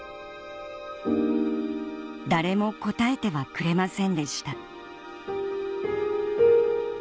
誰も答えてはくれませんでした